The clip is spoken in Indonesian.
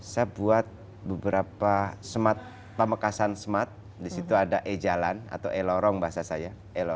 saya buat beberapa pamekasan smart di situ ada e jalan atau e lorong bahasa saya